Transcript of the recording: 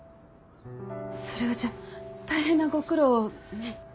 それはじゃあ大変なご苦労をね。